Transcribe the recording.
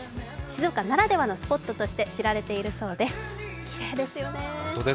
静岡ならではのスポットとして、知られているそうできれいですよね。